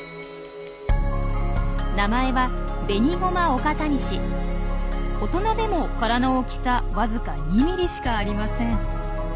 名前は大人でも殻の大きさわずか２ｍｍしかありません。